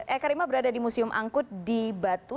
eka rima berada di museum angkut di batu